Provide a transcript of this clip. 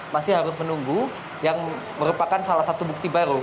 masih harus menunggu yang merupakan salah satu bukti baru